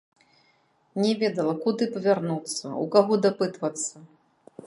Не ведала, куды павярнуцца, у каго дапытвацца.